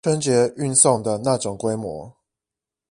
春節運送的那種規模